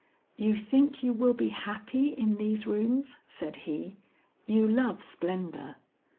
"You think you will be happy in these rooms," said he; "you love splendor."